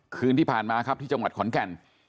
คืนที่ผ่านมาครับที่จังหวัดขอนแก่น